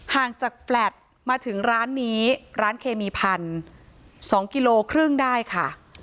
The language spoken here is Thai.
ห่างจากแฟลตมาถึงร้านนี้ร้านเคมีพันธุ์๒กิโลครึ่งได้ค่ะ